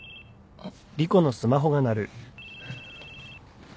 あっ。